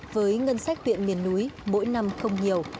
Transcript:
với ngân sách huyện miền núi mỗi năm không nhiều